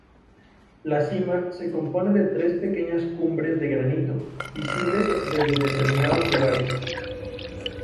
La cima se compone de tres pequeñas cumbres de granito visibles desde determinados lugares.